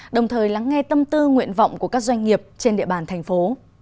đồng thời lắng nghe tâm tư nguyện vọng của các doanh nghiệp trên địa bàn thành phố